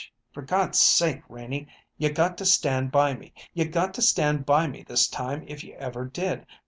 "'Sh h h! For God's sake, Renie, you got to stand by me; you got to stand by me this time if you ever did!